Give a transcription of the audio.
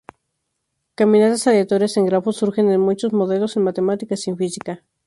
Caminatas aleatorias en grafos surgen en muchos modelos en matemáticas y en física.